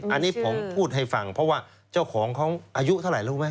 อันนี้ผมพูดให้ฟังเพราะว่าเจ้าของเขาอายุเท่าไหร่รู้ไหม